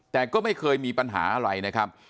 แต่ก็ไม่เคยมีปัญหาอะไรนะครับ